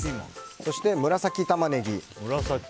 そして紫タマネギ。